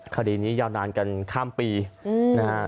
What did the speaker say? คดีนี้ยาวนานกันข้ามปีนะฮะ